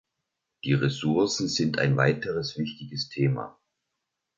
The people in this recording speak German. Die Ressourcen sind ein weiteres wichtiges Thema.